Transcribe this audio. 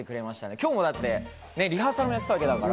今日、リハーサルをやってたわけだから。